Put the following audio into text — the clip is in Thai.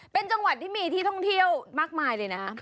เป็นจังหวัดที่มีที่ท่องเที่ยวมากมายเลยนะ